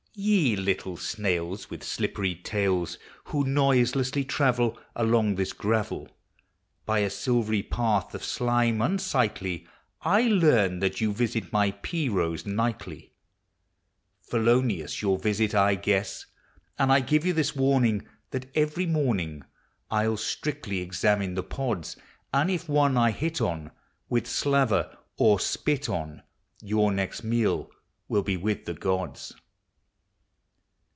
Ye little snails, With slippery tails, Who noiselessly travel Along this gravel, By a silvery path of slime unsightly, I learn that you visit my pea rows nightly. ANIMATE NATURE. 353 Felonious your visit, I guess ! And I give you this warning, That, every morning, I'll strictly examine the pods; And if one I hit on, With slaver or spit on, Your next meal will be with the gods.